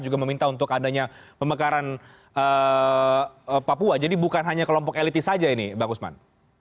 jadi pak ini bukan hanya kelompok elitis saja ini bang usman